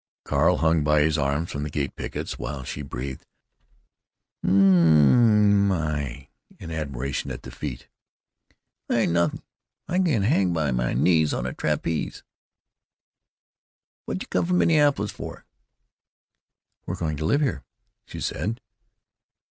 Carl hung by his arms from the gate pickets while she breathed, "M m m m m m y!" in admiration at the feat. "That ain't nothing. I can hang by my knees on a trapeze.... What did you come from Minneapolis for?" "We're going to live here," she said.